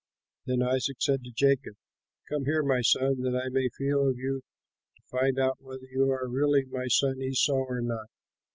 Then Isaac said to Jacob, "Come here, my son, that I may feel of you to find out whether you are really my son Esau or not."